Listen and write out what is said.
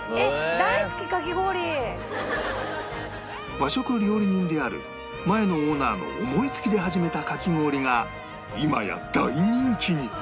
和食料理人である前のオーナーの思いつきで始めたかき氷が今や大人気に！